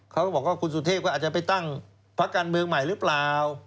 เขาก็บอกว่าคุณสุเทพก็อาจจะไปตั้งพักการเมืองใหม่หรือเปล่า